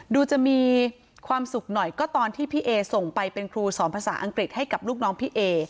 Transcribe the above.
ดูจะมีความสุขหน่อยก็ตอนที่พี่เอส่งไปเป็นครูสอนภาษาอังกฤษให้กับลูกน้องพี่เอ